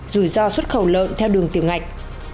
rủi ro xuất khẩu lợn theo đường tiều ngạch